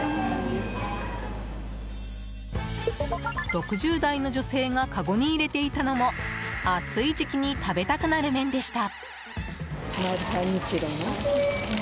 ６０代の女性がかごに入れていたのも暑い時期に食べたくなる麺でした。